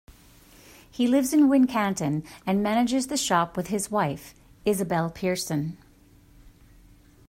He lives in Wincanton and manages the shop with his wife, Isobel Pearson.